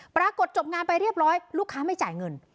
ปรากฏจบงานไปเรียบร้อยลูกค้าไม่จ่ายเงิน